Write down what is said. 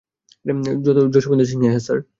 জসভিন্দর সিং হ্যাঁঁ, স্যার।